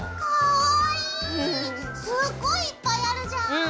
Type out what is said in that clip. すっごいいっぱいあるじゃん。